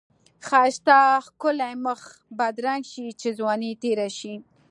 ښایسته ښکلی مخ بدرنګ شی چی ځوانی تیره شی.